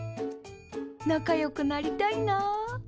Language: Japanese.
仲よくなりたいなあ。